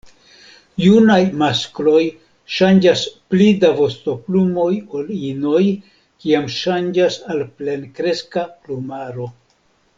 Junaj maskloj ŝanĝas pli da vostoplumoj ol inoj kiam ŝanĝas al plenkreska plumaro.